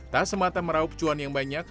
tak semata meraup cuan yang banyak